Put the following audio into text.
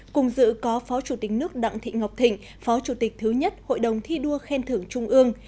cùng dự có phó chủ tịch nước đặng thị ngọc thịnh phó chủ tịch thứ nhất hội đồng thi đua khen thưởng trung ương